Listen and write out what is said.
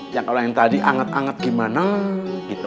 ya kalau yang tadi anget anget gimana gitu